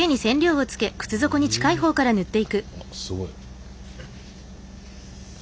あっすごい。